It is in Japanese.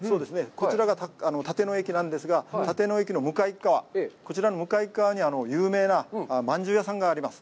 こちらが立野駅なんですが、立野駅の向かい側、こちらの向かい側に有名なまんじゅう屋さんがあります。